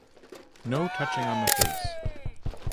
No touching on the face.